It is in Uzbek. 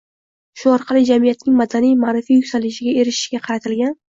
shu orqali jamiyatning madaniy-ma’rifiy yuksalishiga erishishga qaratilgan